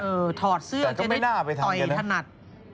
เออถอดเสื้อจะได้ต่อยถนัด